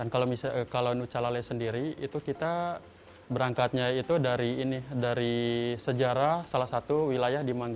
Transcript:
kalau nucalale sendiri kita berangkatnya dari sejarah salah satu wilayah